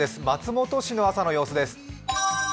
松本市の朝の様子です。